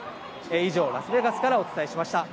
以上、ラスベガスからお伝えしました。